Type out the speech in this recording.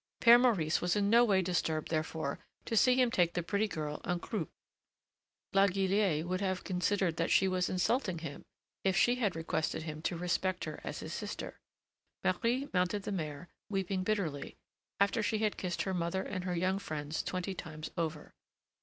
Père Maurice was in no way disturbed, therefore, to see him take the pretty girl en croupe; La Guillette would have considered that she was insulting him if she had requested him to respect her as his sister. Marie mounted the mare, weeping bitterly, after she had kissed her mother and her young friends twenty times over.